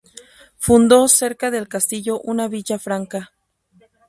Fundó cerca del castillo una villa franca.